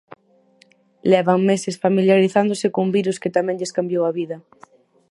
Levan meses familiarizándose cun virus que tamén lles cambiou a vida.